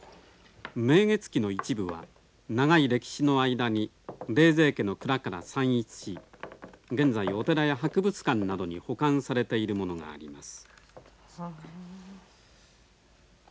「明月記」の一部は長い歴史の間に冷泉家の蔵から散逸し現在お寺や博物館などに保管されているものがあります。